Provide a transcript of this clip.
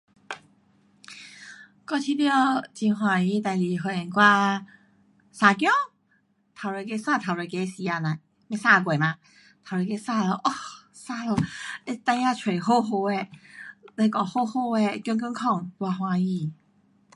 我觉得很开心的事情是 when 我生孩子，头一个生头一个时间哪，没生过嘛头一个 um 生了孩儿出来好好的，那个好好的健健康的多开心。